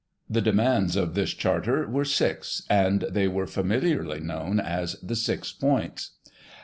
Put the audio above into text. The demands of this " Charter " were six, and they were familiarly known as the six points.